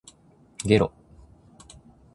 げろ